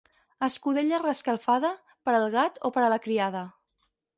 Escudella reescalfada, per al gat o per a la criada.